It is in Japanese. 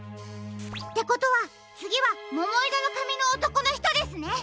ってことはつぎはももいろのかみのおとこのひとですね！